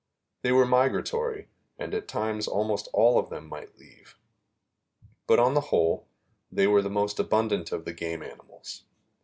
They were migratory, and at times almost all of them might leave; but, on the whole, they were the most abundant of the game animals.